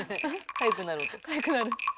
かゆくなる。